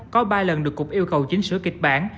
có ba lần được cục yêu cầu chỉnh sửa kịch bản